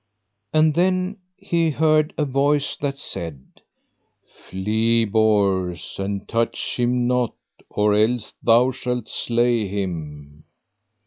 And then he heard a voice that said: Flee Bors, and touch him not, or else thou shalt slay him.